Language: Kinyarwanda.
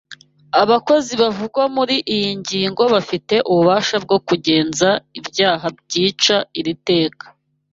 Abakozi bavugwa muri iyi ngingo bafite ububasha bwo kugenza ibyaha byica iri teka